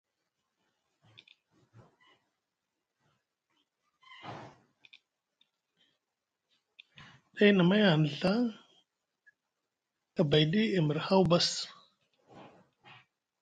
Day na may hanɗa Ɵa, abayɗi e mri haw bas.